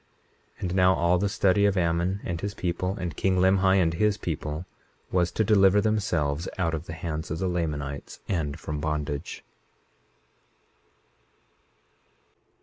21:36 And now all the study of Ammon and his people, and king Limhi and his people, was to deliver themselves out of the hands of the Lamanites and from bondage.